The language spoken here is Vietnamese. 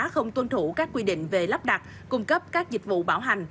không tuân thủ các quy định về lắp đặt cung cấp các dịch vụ bảo hành